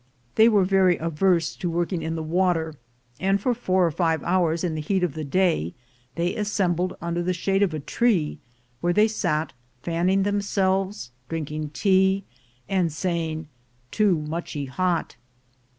They were very averse to working in the water, and for four or five hours in the heat of the day they assembled under the ?hade of a tree, where they sat fanning themselves, drinking tea, and saying "too muchee hot."